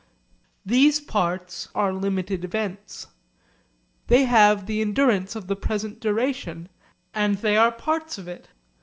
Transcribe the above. These parts are limited events. They have the endurance of the present duration, and they are parts of it.